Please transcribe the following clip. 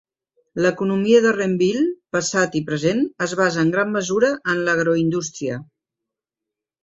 L'economia de Renville, passat i present, es basa en gran mesura en l'agroindústria.